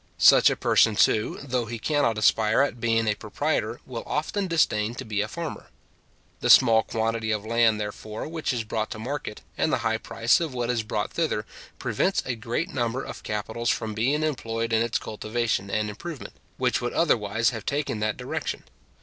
Such a person, too, though he cannot aspire at being a proprietor, will often disdain to be a farmer. The small quantity of land, therefore, which is brought to market, and the high price of what is brought thither, prevents a great number of capitals from being employed in its cultivation and improvement, which would otherwise have taken that direction.